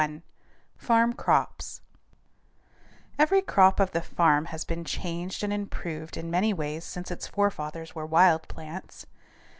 CHAPTER VIII FARM CROPS Every crop of the farm has been changed and improved in many ways since its forefathers were wild plants.